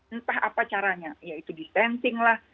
entah apa caranya yaitu distancing lah